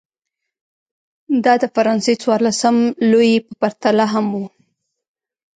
دا د فرانسې څوارلسم لويي په پرتله هم و.